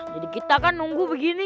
jadi kita kan nunggu begini